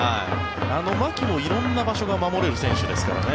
牧も色んな場所が守れる選手ですからね。